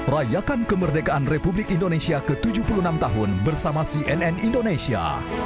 rayakan kemerdekaan republik indonesia ke tujuh puluh enam tahun bersama cnn indonesia